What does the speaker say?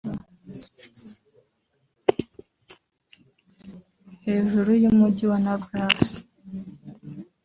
hejuru y'umujyi wa Nablus